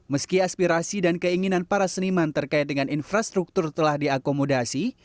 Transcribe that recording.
meski aspirasi dan keinginan para seniman terkait dengan infrastruktur telah diakomodasi